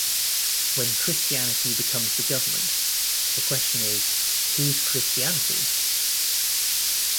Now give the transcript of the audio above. When Christianity becomes the government, the question is whose Christianity?